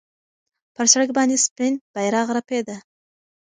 پر سړک باندې سپین بیرغ رپېده.